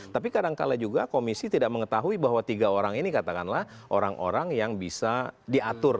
tapi kadangkala juga komisi tidak mengetahui bahwa tiga orang ini katakanlah orang orang yang bisa diatur